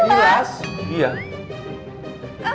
kamu ngerti gak ada lain